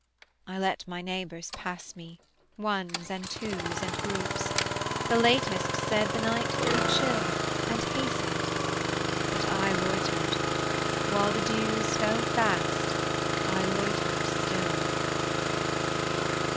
I let my neighbors pass me, ones and twos And groups; the latest said the night grew chill, And hastened: but I loitered, while the dews Fell fast I loitered still.